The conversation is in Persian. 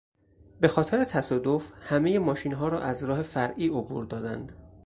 به خاطر تصادف همه ماشینها را از راه فرعی عبور دادند.